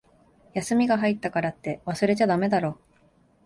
休みが入ったからって、忘れちゃだめだろ。